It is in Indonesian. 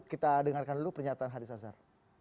kita dengarkan dulu pernyataan haris azhar